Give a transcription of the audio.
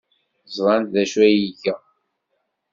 Ẓrant d acu ay iga?